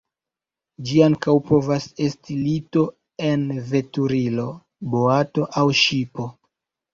Ĝi ankaŭ povas esti lito en veturilo, boato aŭ ŝipo.